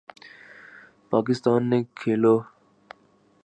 پاکستان نے کھیلو